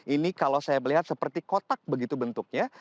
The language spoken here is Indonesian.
ini kalau saya melihat seperti kotak begitu bentuknya